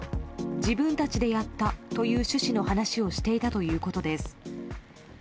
自分たちでやったという趣旨の話をしていたということです。